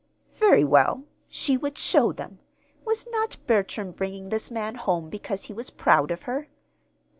Very well, she would show them. Was not Bertram bringing this man home because he was proud of her?